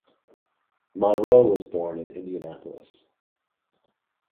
Monroe was born in Indianapolis.